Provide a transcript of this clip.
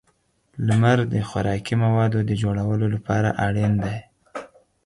• لمر د خوراکي موادو د جوړولو لپاره اړین دی.